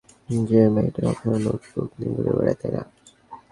যে মেয়েটা সবসময় নোটবুক নিয়ে ঘুরে বেড়ায়, তাই না?